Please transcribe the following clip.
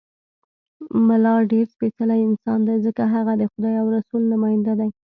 ملا ډېر سپېڅلی انسان دی، ځکه هغه د خدای او رسول نماینده دی.